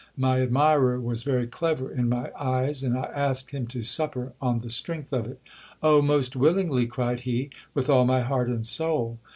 My admirer was very clever in my eyes, and I asked him to supper on the strength of it. Oh ! most willingly, cried he : with all my heart and soul.